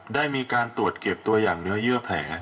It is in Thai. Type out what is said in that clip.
ได้มีการตรวจเก็บตัวอย่างเนื้อเยื่อแผล